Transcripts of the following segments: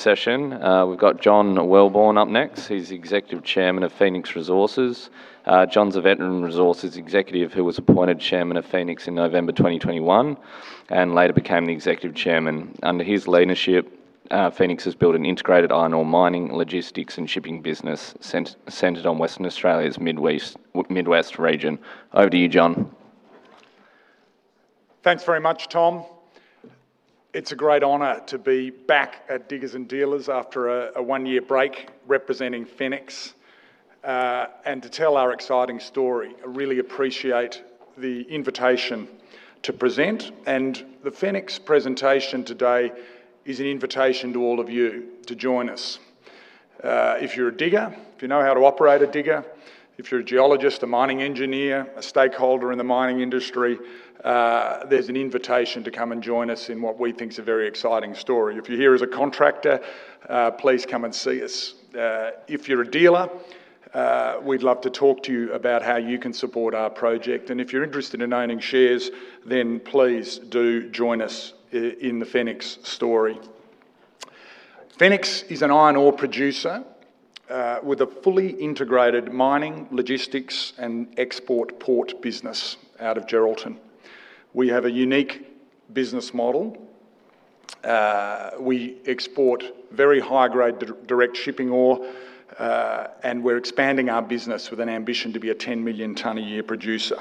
Session. We've got John Welborn up next. He's the Executive Chairman of Fenix Resources. John's a veteran resources executive who was appointed Chairman of Fenix in November 2021 and later became the Executive Chairman. Under his leadership, Fenix has built an integrated iron ore mining, logistics, and shipping business centered on Western Australia's Midwest region. Over to you, John. Thanks very much, Tom. It's a great honor to be back at Diggers & Dealers after a one-year break representing Fenix. To tell our exciting story. I really appreciate the invitation to present, the Fenix presentation today is an invitation to all of you to join us. If you're a digger, if you know how to operate a digger, if you're a geologist, a mining engineer, a stakeholder in the mining industry, there's an invitation to come and join us in what we think is a very exciting story. If you're here as a contractor, please come and see us. If you're a dealer, we'd love to talk to you about how you can support our project. If you're interested in owning shares, please do join us in the Fenix story. Fenix is an iron ore producer, with a fully integrated mining, logistics, and export port business out of Geraldton. We have a unique business model. We export very high-grade direct shipping ore, we're expanding our business with an ambition to be a 10-million-ton-a-year producer.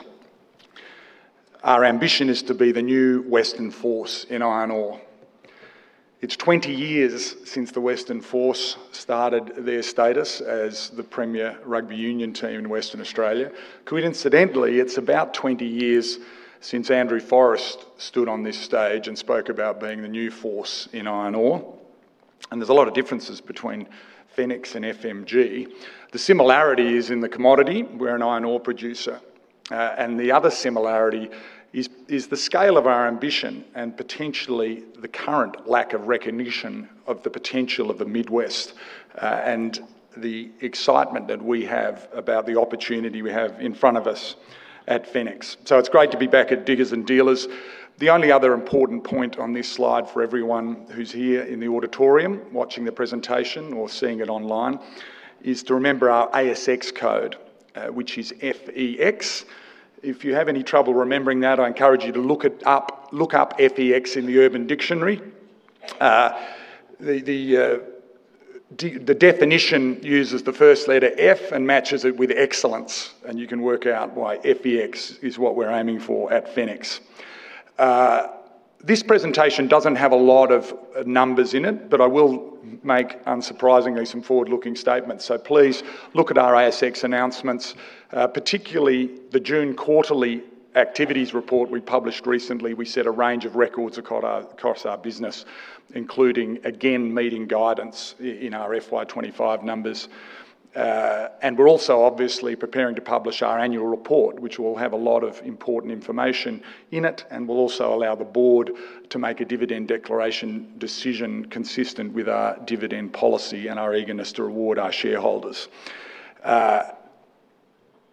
Our ambition is to be the new Western Force in iron ore. It's 20 years since the Western Force started their status as the premier rugby union team in Western Australia. Coincidentally, it's about 20 years since Andrew Forrest stood on this stage and spoke about being the new force in iron ore, there's a lot of differences between Fenix and FMG. The similarity is in the commodity. We're an iron ore producer. The other similarity is the scale of our ambition and potentially the current lack of recognition of the potential of the Midwest, the excitement that we have about the opportunity we have in front of us at Fenix. It's great to be back at Diggers & Dealers. The only other important point on this slide for everyone who's here in the auditorium watching the presentation or seeing it online is to remember our ASX code, which is F-E-X. If you have any trouble remembering that, I encourage you to look up FEX in the Urban Dictionary. The definition uses the first letter F and matches it with excellence, you can work out why FEX is what we're aiming for at Fenix. This presentation doesn't have a lot of numbers in it, but I will make, unsurprisingly, some forward-looking statements. Please look at our ASX announcements, particularly the June quarterly activities report we published recently. We set a range of records across our business, including, again, meeting guidance in our FY 2025 numbers. We're also obviously preparing to publish our annual report, which will have a lot of important information in it, and will also allow the Board to make a dividend declaration decision consistent with our dividend policy and our eagerness to reward our shareholders.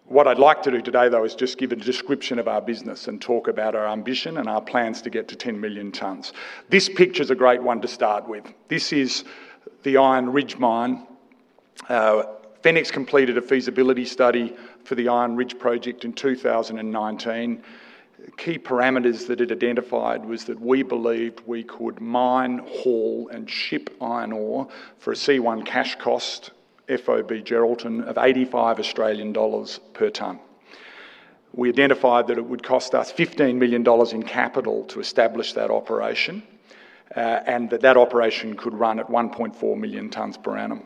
What I'd like to do today, though, is just give a description of our business and talk about our ambition and our plans to get to 10 million tons. This picture's a great one to start with. This is the Iron Ridge mine. Fenix completed a feasibility study for the Iron Ridge project in 2019. Key parameters that it identified was that we believed we could mine, haul, and ship iron ore for a C1 cash cost, FOB Geraldton, of 85 Australian dollars per ton. We identified that it would cost us 15 million dollars in capital to establish that operation, and that that operation could run at 1.4 million tons per annum.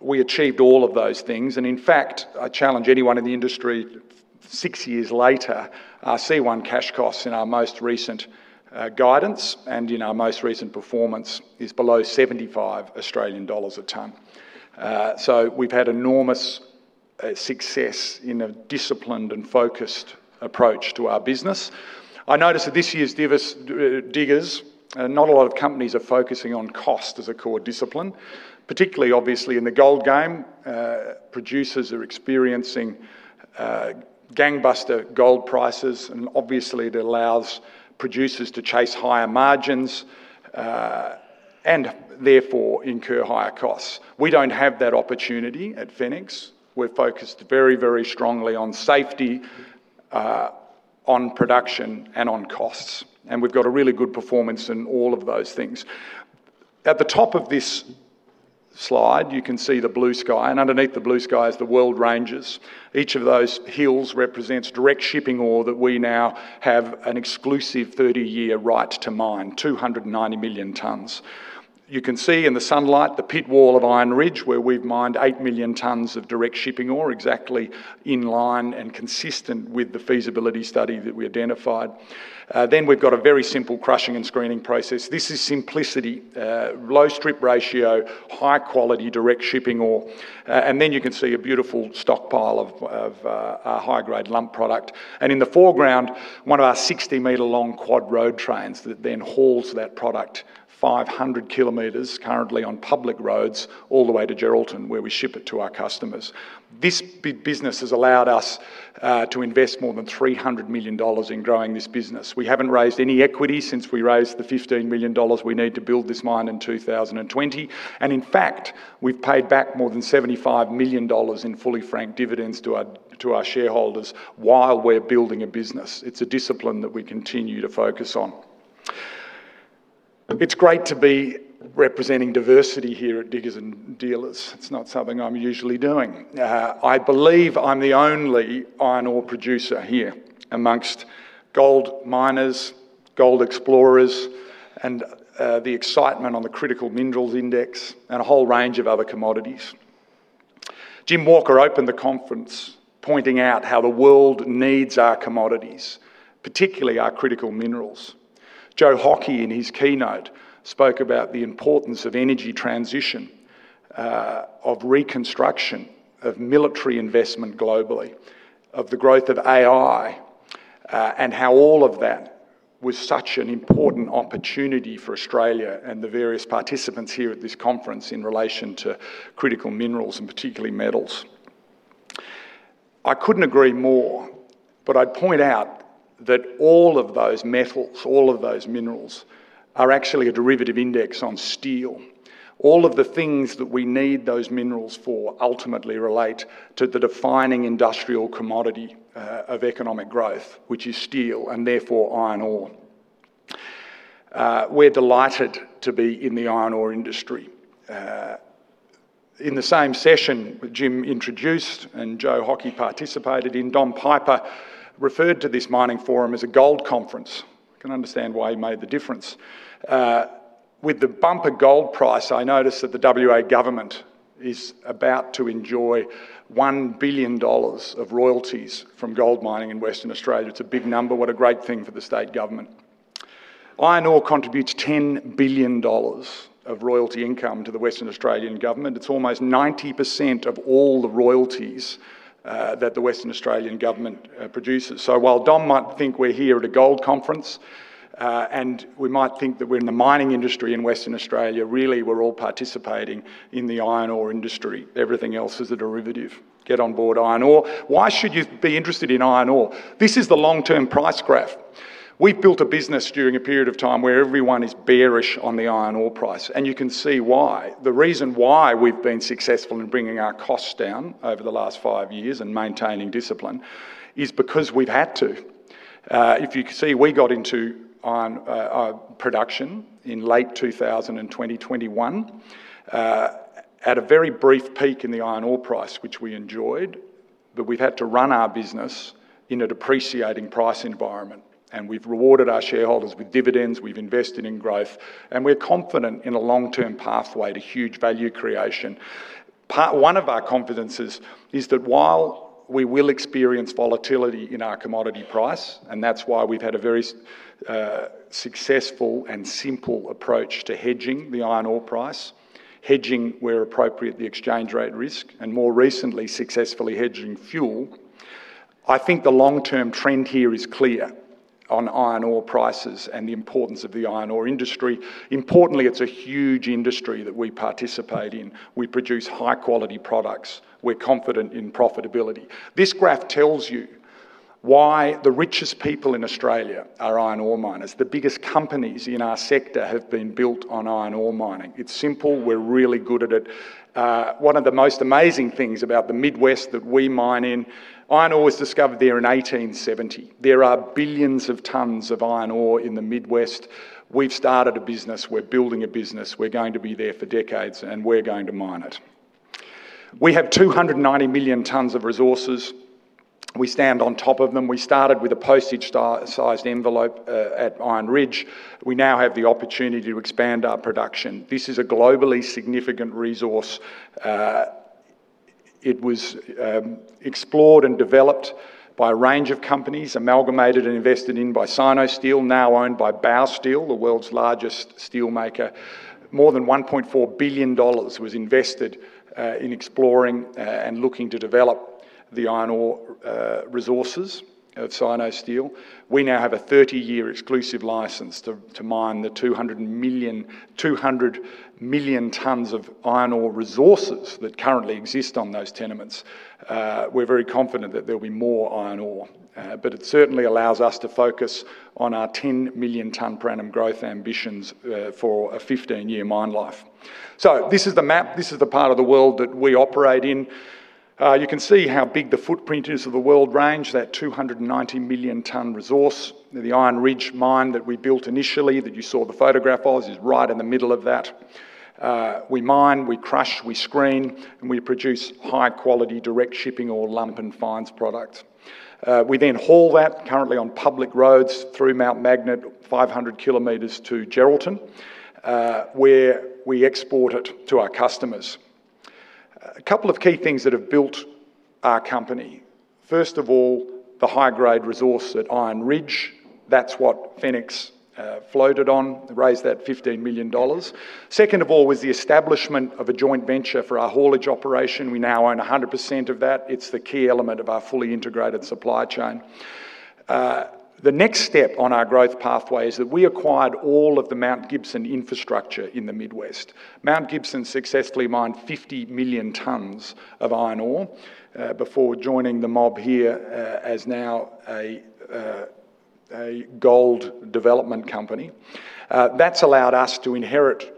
We achieved all of those things, and in fact, I challenge anyone in the industry six years later, our C1 cash costs in our most recent guidance and in our most recent performance is below 75 Australian dollars a ton. We've had enormous success in a disciplined and focused approach to our business. I noticed at this year's Diggers, not a lot of companies are focusing on cost as a core discipline, particularly obviously in the gold game. Producers are experiencing gangbuster gold prices, and obviously it allows producers to chase higher margins, and therefore incur higher costs. We don't have that opportunity at Fenix. We're focused very strongly on safety, on production, and on costs. We've got a really good performance in all of those things. At the top of this slide, you can see the blue sky, and underneath the blue sky is the Weld Range. Each of those hills represents direct shipping ore that we now have an exclusive 30-year right to mine, 290 million tons. You can see in the sunlight the pit wall of Iron Ridge, where we've mined 8 million tons of direct shipping ore exactly in line and consistent with the feasibility study that we identified. We've got a very simple crushing and screening process. This is simplicity. Low strip ratio, high-quality direct shipping ore. You can see a beautiful stockpile of our high-grade lump product. In the foreground, one of our 60-meter-long quad road trains that then hauls that product 500 km, currently on public roads, all the way to Geraldton, where we ship it to our customers. This business has allowed us to invest more than 300 million dollars in growing this business. We haven't raised any equity since we raised the 15 million dollars we need to build this mine in 2020. In fact, we've paid back more than 75 million dollars in fully franked dividends to our shareholders while we're building a business. It's a discipline that we continue to focus on. It's great to be representing diversity here at Diggers & Dealers. It's not something I'm usually doing. I believe I'm the only iron ore producer here amongst gold miners, gold explorers, and the excitement on the critical minerals index, and a whole range of other commodities. Jim Walker opened the conference pointing out how the world needs our commodities, particularly our critical minerals. Joe Hockey, in his keynote, spoke about the importance of energy transition, of reconstruction, of military investment globally, of the growth of [AI], and how all of that was such an important opportunity for Australia and the various participants here at this conference in relation to critical minerals, and particularly metals. I couldn't agree more, but I'd point out that all of those metals, all of those minerals, are actually a derivative index on steel. All of the things that we need those minerals for ultimately relate to the defining industrial commodity of economic growth, which is steel, and therefore iron ore. We're delighted to be in the iron ore industry. In the same session that Jim introduced and Joe Hockey participated in, Dom Piper referred to this mining forum as a gold conference. I can understand why he made the difference. With the bumper gold price, I notice that the WA Government is about to enjoy 1 billion dollars of royalties from gold mining in Western Australia. It's a big number. What a great thing for the state government. Iron ore contributes 10 billion dollars of royalty income to the Western Australian Government. It's almost 90% of all the royalties that the Western Australian Government produces. While Dom might think we're here at a gold conference, and we might think that we're in the mining industry in Western Australia, really, we're all participating in the iron ore industry. Everything else is a derivative. Get on board iron ore. Why should you be interested in iron ore? This is the long-term price graph. We've built a business during a period of time where everyone is bearish on the iron ore price, and you can see why. The reason why we've been successful in bringing our costs down over the last five years and maintaining discipline is because we've had to. If you can see, we got into production in late 2021, at a very brief peak in the iron ore price, which we enjoyed, but we've had to run our business in a depreciating price environment, and we've rewarded our shareholders with dividends, we've invested in growth, and we're confident in a long-term pathway to huge value creation. One of our confidences is that while we will experience volatility in our commodity price, and that's why we've had a very successful and simple approach to hedging the iron ore price, hedging where appropriate the exchange rate risk, and more recently, successfully hedging fuel. I think the long-term trend here is clear on iron ore prices and the importance of the iron ore industry. Importantly, it's a huge industry that we participate in. We produce high-quality products. We're confident in profitability. This graph tells you why the richest people in Australia are iron ore miners. The biggest companies in our sector have been built on iron ore mining. It's simple. We're really good at it. One of the most amazing things about the Midwest that we mine in, iron ore was discovered there in 1870. There are billions of tons of iron ore in the Midwest. We've started a business. We're building a business. We're going to be there for decades, and we're going to mine it. We have 290 million tons of resources. We stand on top of them. We started with a postage-sized envelope at Iron Ridge. We now have the opportunity to expand our production. This is a globally significant resource. It was explored and developed by a range of companies, amalgamated and invested in by Sinosteel, now owned by Baowu Steel, the world's largest steelmaker. More than 1.4 billion dollars was invested in exploring and looking to develop the iron ore resources at Sinosteel. We now have a 30-year exclusive license to mine the 200 million tons of iron ore resources that currently exist on those tenements. We're very confident that there'll be more iron ore. It certainly allows us to focus on our 10 million ton per annum growth ambitions for a 15-year mine life. This is the map. This is the part of the world that we operate in. You can see how big the footprint is of the Weld Range, that 290 million ton resource. The Iron Ridge mine that we built initially, that you saw the photograph of, is right in the middle of that. We mine, we crush, we screen, and we produce high-quality direct shipping ore lump and fines product. We then haul that currently on public roads through Mount Magnet, 500 km to Geraldton, where we export it to our customers. A couple of key things that have built our company. First of all, the high-grade resource at Iron Ridge. That's what Fenix floated on, raised that 15 million dollars. Second of all was the establishment of a joint venture for our haulage operation. We now own 100% of that. It's the key element of our fully integrated supply chain. The next step on our growth pathway is that we acquired all of the Mount Gibson infrastructure in the Midwest. Mount Gibson successfully mined 50 million tons of iron ore before joining the mob here as now a gold development company. That's allowed us to inherit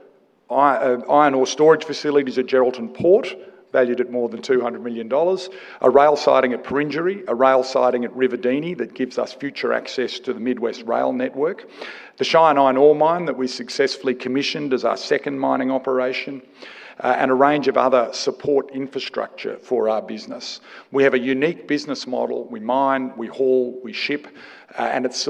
iron ore storage facilities at Geraldton Port, valued at more than 200 million dollars. A rail siding at Perenjori, a rail siding at Ruvidini that gives us future access to the Midwest rail network. The Shine iron ore mine that we successfully commissioned as our second mining operation, and a range of other support infrastructure for our business. We have a unique business model. We mine, we haul, we ship. It's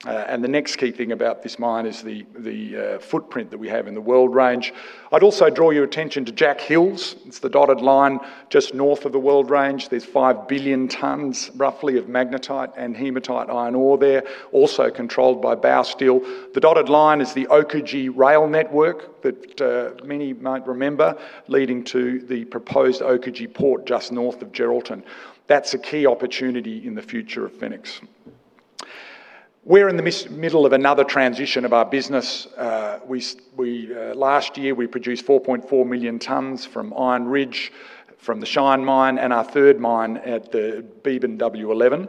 supported by unique infrastructure assets. The next key thing about this mine is the footprint that we have in the Weld Range. I'd also draw your attention to Jack Hills. It's the dotted line just north of the Weld Range. There's 5 billion tons, roughly, of magnetite and hematite iron ore there, also controlled by Baowu Steel The dotted line is the Oakajee rail network that many might remember, leading to the proposed Oakajee Port just north of Geraldton. That's a key opportunity in the future of Fenix. We're in the middle of another transition of our business. Last year, we produced 4.4 million tons from Iron Ridge, from the Shine mine, and our third mine at the Beebyn-W11.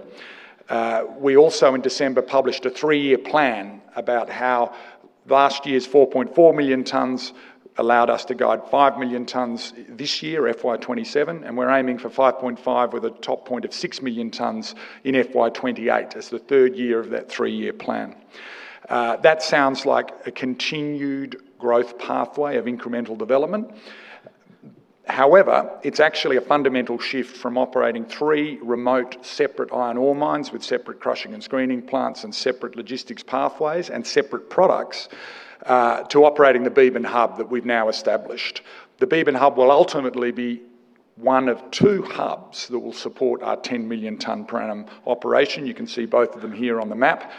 We also, in December, published a three-year plan about how last year's 4.4 million tons allowed us to guide 5 million tons this year, FY 2027, and we're aiming for 5.5 with a top point of 6 million tons in FY 2028 as the third year of that three-year plan. That sounds like a continued growth pathway of incremental development. However, it's actually a fundamental shift from operating three remote, separate iron ore mines with separate crushing and screening plants and separate logistics pathways and separate products, to operating the Beebyn Hub that we've now established. The Beebyn Hub will ultimately be one of two hubs that will support our 10 million ton per annum operation. You can see both of them here on the map,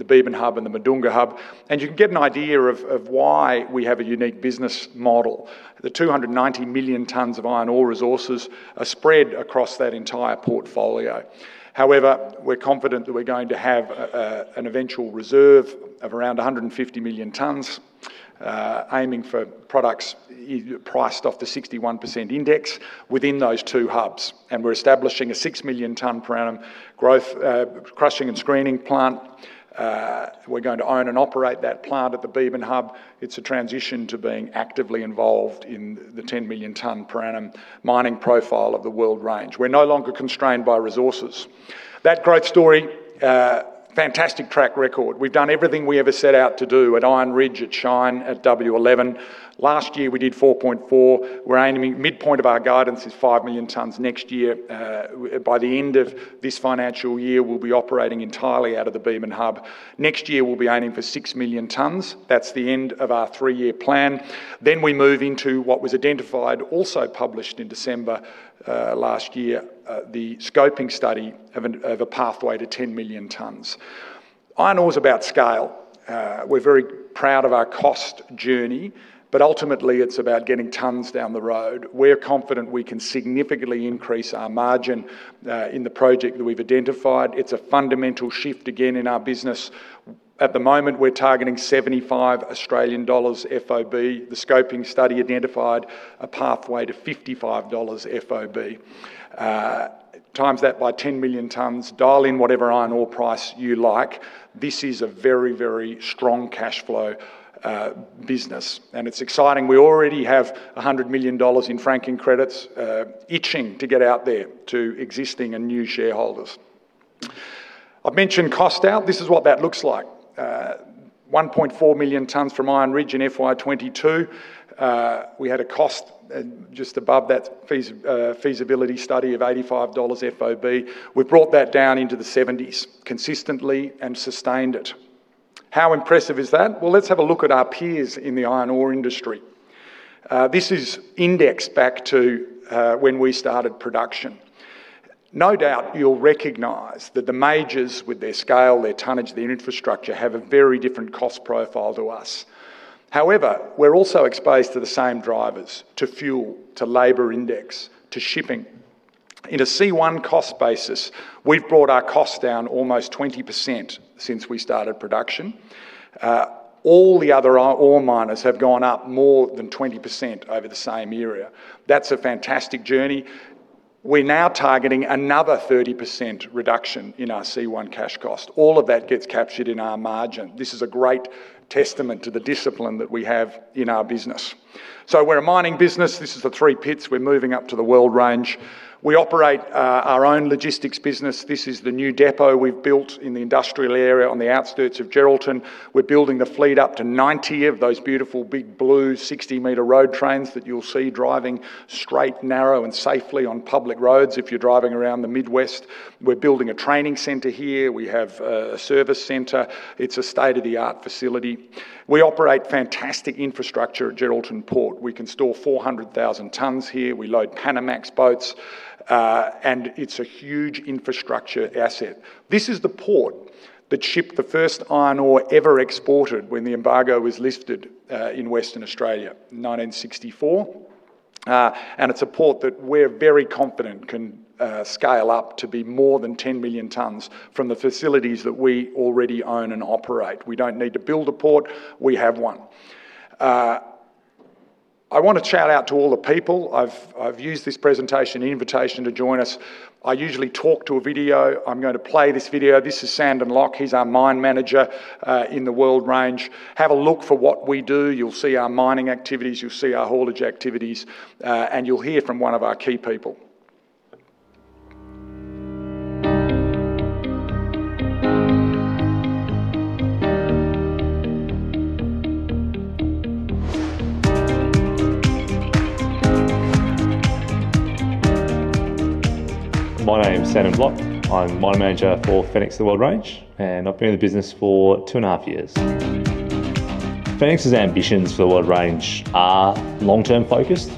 the Beebyn Hub and the Madoonga Hub. You can get an idea of why we have a unique business model. The 290 million tons of iron ore resources are spread across that entire portfolio. However, we're confident that we're going to have an eventual reserve of around 150 million tons, aiming for products priced off the 61% index within those two hubs. We're establishing a 6 million ton per annum crushing and screening plant. We're going to own and operate that plant at the Beebyn Hub. It's a transition to being actively involved in the 10 million ton per annum mining profile of the Weld Range. We're no longer constrained by resources. That growth story, fantastic track record. We've done everything we ever set out to do at Iron Ridge, at Shine, at W11. Last year, we did 4.4 million tons. We're aiming, midpoint of our guidance is 5 million tons next year. By the end of this financial year, we'll be operating entirely out of the Beebyn Hub. Next year, we'll be aiming for 6 million tons. That's the end of our three-year plan. We move into what was identified, also published in December last year, the scoping study of a pathway to 10 million tons. Iron ore's about scale. We're very proud of our cost journey, but ultimately, it's about getting tons down the road. We're confident we can significantly increase our margin in the project that we've identified. It's a fundamental shift, again, in our business. At the moment, we're targeting 75 Australian dollars FOB. The scoping study identified a pathway to AUD 55 FOB. Times that by 10 million tons, dial in whatever iron ore price you like. This is a very, very strong cash flow business, and it's exciting. We already have 100 million dollars in franking credits itching to get out there to existing and new shareholders. I've mentioned cost out. This is what that looks like. 1.4 million tons from Iron Ridge in FY 2022. We had a cost just above that feasibility study of 85 dollars FOB. We've brought that down into the 70s consistently and sustained it. How impressive is that? Well, let's have a look at our peers in the iron ore industry. This is indexed back to when we started production. No doubt you'll recognize that the majors with their scale, their tonnage, their infrastructure, have a very different cost profile to us. However, we're also exposed to the same drivers, to fuel, to labor index, to shipping. In a C1 cash cost basis, we've brought our cost down almost 20% since we started production. All the other ore miners have gone up more than 20% over the same area. That's a fantastic journey. We're now targeting another 30% reduction in our C1 cash cost. All of that gets captured in our margin. This is a great testament to the discipline that we have in our business. We're a mining business. This is the three pits. We're moving up to the Weld Range. We operate our own logistics business. This is the new depot we've built in the industrial area on the outskirts of Geraldton. We're building the fleet up to 90 of those beautiful big blue 60 m road trains that you'll see driving straight, narrow, and safely on public roads if you're driving around the Midwest. We're building a training center here. We have a service center. It's a state-of-the-art facility. We operate fantastic infrastructure at Geraldton Port. We can store 400,000 tons here. We load Panamax boats. It's a huge infrastructure asset. This is the port that shipped the first iron ore ever exported when the embargo was lifted in Western Australia in 1964. It's a port that we're very confident can scale up to be more than 10 million tons from the facilities that we already own and operate. We don't need to build a port. We have one. I want to shout out to all the people. I've used this presentation invitation to join us. I usually talk to a video. I'm going to play this video. This is Sandon Block. He's our mine manager in the Weld Range. Have a look for what we do. You'll see our mining activities, you'll see our haulage activities, and you'll hear from one of our key people. My name's Sandon Block. I'm Mine Manager for Fenix at Weld Range. I've been in the business for two and a half years. Fenix's ambitions for the Weld Range are long-term focused.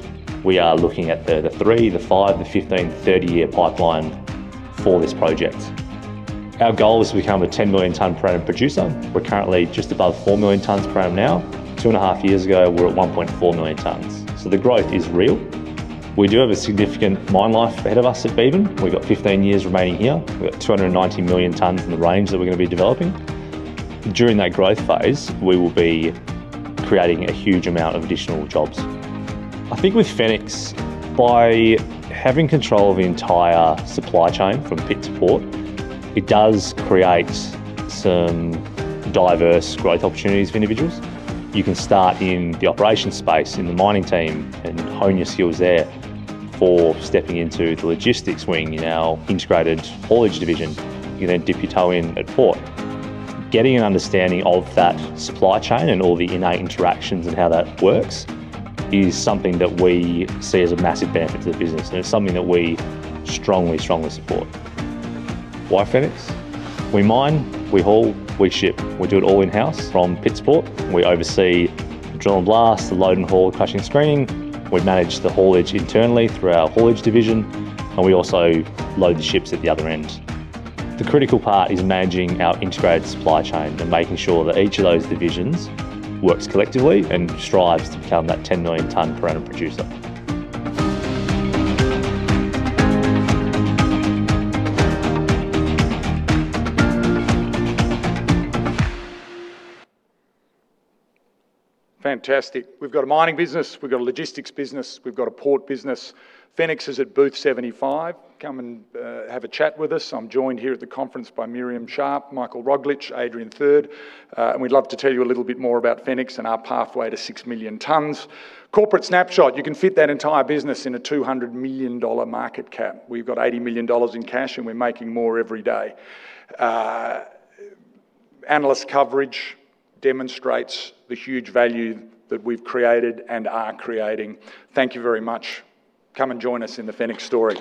We are looking at the three, the five, the 15, the 30-year pipeline for this project. Our goal is to become a 10-million-tonne per annum producer. We're currently just above 4 million tons per annum now. Two and a half years ago, we were at 1.4 million tons. The growth is real. We do have a significant mine life ahead of us at Beebyn. We've got 15 years remaining here. We've got 290 million tons in the range that we're going to be developing. During that growth phase, we will be creating a huge amount of additional jobs. I think with Fenix, by having control of the entire supply chain from pit to port, it does create some diverse growth opportunities for individuals. You can start in the operations space, in the mining team. Hone your skills there before stepping into the logistics wing, in our integrated haulage division. You can dip your toe in at port. Getting an understanding of that supply chain and all the innate interactions and how that works is something that we see as a massive benefit to the business. It's something that we strongly support. Why Fenix? We mine, we haul, we ship. We do it all in-house from pit to port. We oversee drill and blast, the load and haul, crushing and screening. We manage the haulage internally through our haulage division. We also load the ships at the other end. The critical part is managing our integrated supply chain and making sure that each of those divisions works collectively and strives to become that 10 million ton per annum producer. Fantastic. We've got a mining business. We've got a logistics business. We've got a port business. Fenix is at Booth 75. Come and have a chat with us. I'm joined here at the conference by Miriam Sharp, Michael Roglich, Adrian Third, we'd love to tell you a little bit more about Fenix and our pathway to 6 million tons. Corporate snapshot. You can fit that entire business in a 200 million dollar market cap. We've got 80 million dollars in cash, and we're making more every day. Analyst coverage demonstrates the huge value that we've created and are creating. Thank you very much. Come and join us in the Fenix story.